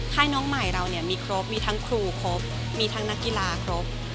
น้องใหม่เราเนี่ยมีครบมีทั้งครูครบมีทั้งนักกีฬาครบ